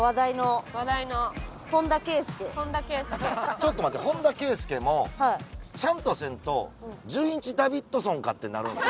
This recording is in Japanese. ちょっと待って本田圭佑もちゃんとせんと「じゅんいちダビッドソンか！」ってなるんですよ。